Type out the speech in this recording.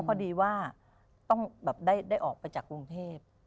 พอดีว่าต้องได้ออกไปจากกรุงเทพ